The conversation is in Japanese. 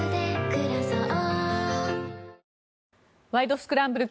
スクランブル」